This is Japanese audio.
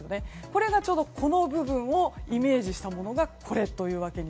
これがちょうどこの部分をイメージしたものです。